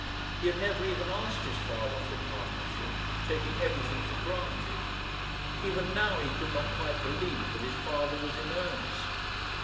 He had never even asked his father for a partnership, taking everything for granted. Even now he could not quite believe that his father was in earnest.